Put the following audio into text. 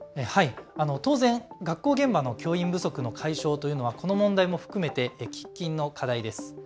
当然、学校現場の教員不足の解消というのはこの問題も含めて喫緊の課題です。